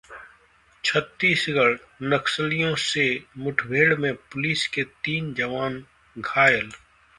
छत्तीसगढ़ः नक्सलियों से मुठभेड़ में पुलिस के तीन जवान घायल